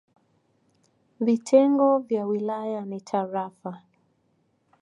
Vitengo vya wilaya ni tarafa.